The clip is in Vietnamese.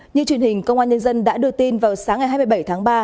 như truyền hình công an nhân dân đã đưa tin vào sáng ngày hai mươi bảy tháng ba